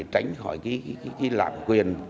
tránh khỏi cái lạc quyền